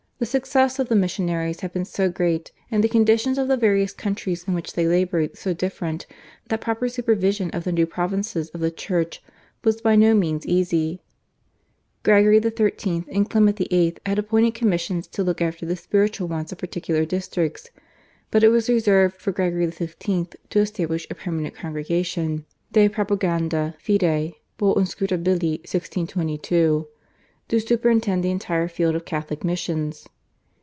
The success of the missionaries had been so great, and the conditions of the various countries in which they laboured so different, that proper supervision of the new provinces of the Church was by no means easy. Gregory XIII. and Clement VIII. had appointed commissions to look after the spiritual wants of particular districts, but it was reserved for Gregory XV. to establish a permanent congregation, /De Propaganda Fide/ (Bull, /Inscrutabili/, 1622) to superintend the entire field of Catholic missions.